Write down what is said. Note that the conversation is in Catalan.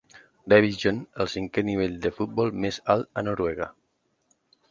Divisjon, el cinquè nivell de futbol més alt a Noruega.